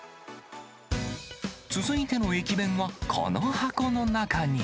続いての駅弁は、この箱の中に。